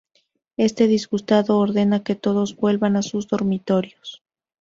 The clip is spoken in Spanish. Este, disgustado, ordena que todos vuelvan a sus dormitorios.